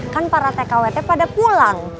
kan para tkwt pada pulang